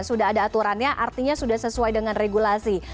sudah ada aturannya artinya sudah sesuai dengan regulasi